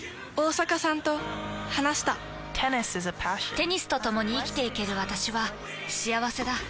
テニスとともに生きていける私は幸せだ。